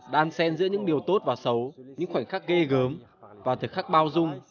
đan xen giữa những điều tốt và xấu những khoảnh khắc ghê gớm và thực khắc bao dung